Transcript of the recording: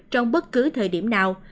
trong bất cứ thời điểm nào